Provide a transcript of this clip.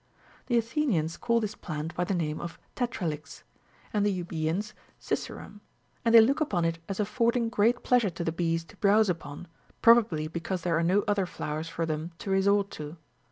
The Athenians call this plant by the name of tetralix,u and the Eubceans sisirum, and they look upon it as affording great pleasure to the bees to browse upon, probably because there are no other flowers for them to resort to.